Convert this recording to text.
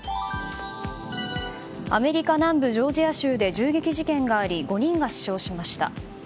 アメリカ南部ジョージア州で銃撃事件があり５人が死傷しました。